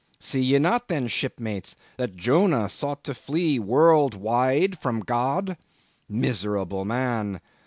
See ye not then, shipmates, that Jonah sought to flee world wide from God? Miserable man!